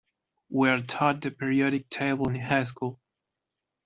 We are taught the periodic table in high school.